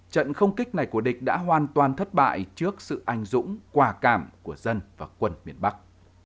trận không kích này của địch đã hoàn toàn thất bại trước sự anh dũng quà cảm của dân và quân miền bắc